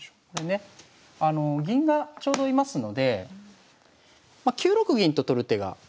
これね銀がちょうど居ますので９六銀と取る手が。